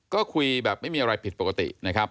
ก็คุยแบบไม่มีอะไรผิดปกตินะครับ